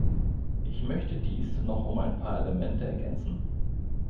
Ich möchte dies noch um ein paar Elemente ergänzen.